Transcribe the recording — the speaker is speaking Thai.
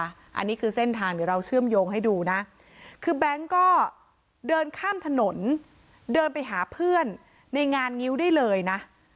อันนี้คือเส้นทางเดี๋ยวเราเชื่อมโยงให้ดูนะคือแบงค์ก็เดินข้ามถนนเดินไปหาเพื่อนในงานงิ้วได้เลยนะ